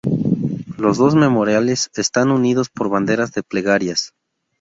Los dos memoriales están unidos por banderas de plegarias.